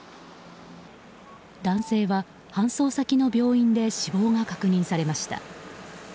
男性は搬送先の病院で死亡が確認されました。